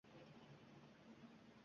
U xalq ichida pishib yetilgan.